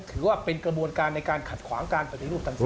ถือว่าเป็นกระบวนการในการขัดขวางการปฏิรูปต่าง